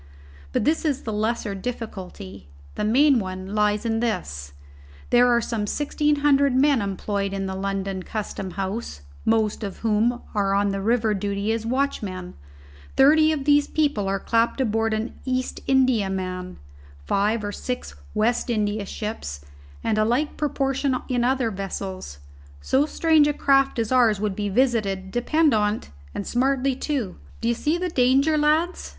But this is the lesser difficulty; the main one lies in this: there are some sixteen hundred men employed in the London Custom House, most of whom are on river duty as watchmen; thirty of these people are clapped aboard an East Indiaman, five or six on West India ships, and a like proportion in other vessels. So strange a craft as ours would be visited, depend on't, and smartly, too. D'ye see the danger, lads?